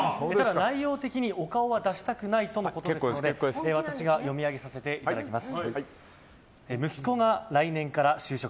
内容的にお顔は出したくないということなので私が読み上げさせていただきます。